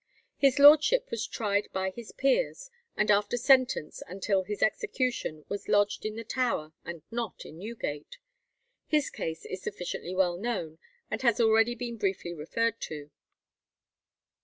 His lordship was tried by his peers, and after sentence until his execution was lodged in the Tower, and not in Newgate. His case is sufficiently well known, and has already been briefly referred to.